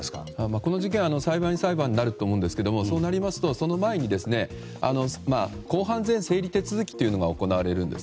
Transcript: この事件は裁判員裁判になると思うんですがそうなりますと、その前に公判前整理手続きというのが行われるんです。